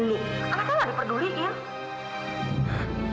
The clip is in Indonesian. anaknya nggak diperdulikan